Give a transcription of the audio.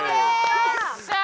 よっしゃー！